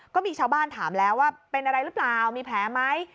ก็มีชาวบ้านถามแล้วว่าเป็นอะไรหรือเปล่ามีแผลไหม